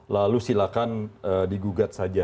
lalu silakan digugat saja